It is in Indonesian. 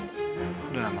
udah lah mbak